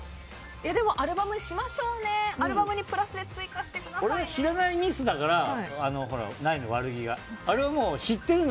でも、アルバムしましょうねアルバムにプラスで俺、知らない人だから悪気がないの。